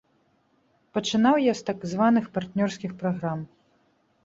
Пачынаў я з так званых партнёрскіх праграм.